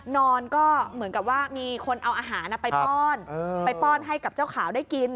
นอนก็เหมือนกับว่ามีคนเอาอาหารไปป้อนไปป้อนให้กับเจ้าขาวได้กิน